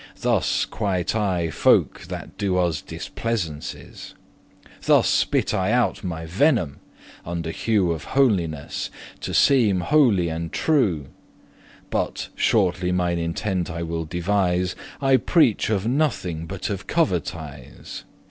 Thus *quite I* folk that do us displeasances: *I am revenged on* Thus spit I out my venom, under hue Of holiness, to seem holy and true. But, shortly mine intent I will devise, I preach of nothing but of covetise.